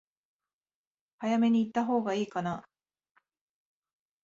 早めに行ったほうが良いかな？